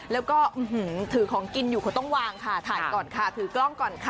แล้วก็ถือของกินอยู่เขาต้องวางค่ะถ่ายก่อนค่ะถือกล้องก่อนค่ะ